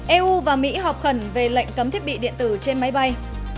eu và mỹ họp khẩn về lệnh cấm thiết bị điện tử trên máy bay